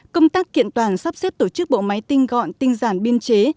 công tác kiện toàn sắp xếp tổ chức bộ máy tinh gọn tinh giản biên chế